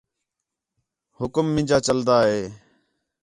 حُکم مینجا چَلدا ہِے